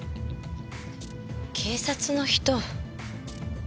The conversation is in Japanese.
警察の人。